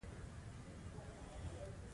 څلویښتم سوال د استخدام په اړه دی.